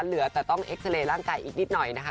เหลือแต่ต้องเอ็กซาเรย์ร่างกายอีกนิดหน่อยนะคะ